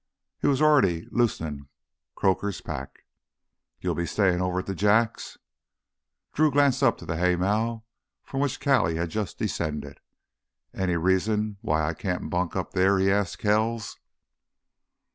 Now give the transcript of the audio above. He was already loosing Croaker's pack. "You be stayin' over to th' Jacks?" Drew glanced up at the haymow from which Callie had just descended. "Any reason why I can't bunk up there?" he asked Kells.